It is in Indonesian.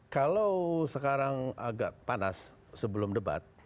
kalau sekarang agak panas sebelum debat